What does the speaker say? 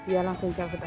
ya langsung cabut aja